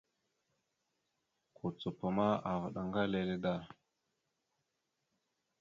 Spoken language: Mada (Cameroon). Kucupa ma avaɗ ŋga lele da.